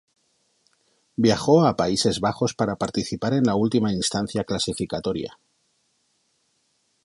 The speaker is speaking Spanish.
Viajó a Países Bajos para participar en la última instancia clasificatoria.